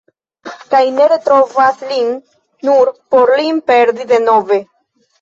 Kaj ni retrovas lin nur por lin perdi denove.